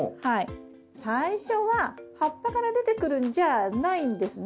最初は葉っぱから出てくるんじゃないんですね。